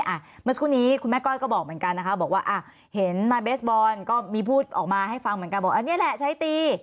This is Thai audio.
เมื่อสักครู่นี้คุณแม่ก้อยก็บอกเหมือนกันนะคะบอกว่าอ่ะเห็นนายเบสบอลก็มีพูดออกมาให้ฟังเหมือนกันบอกอันนี้แหละใช้ตี